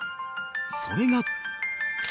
それが